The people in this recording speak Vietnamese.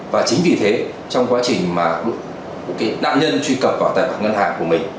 và chính vì thế trong quá trình mà nạn nhân truy cập vào tài khoản ngân hàng của mình